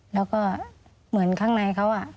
แล้วก็เหมือนข้างในเขา